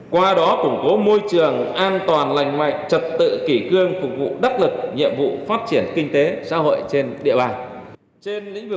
qua đó củng cố môi trường an toàn lành mạnh trật tự kỷ cương phục vụ đắc lực nhiệm vụ phát triển kinh tế xã hội trên địa bàn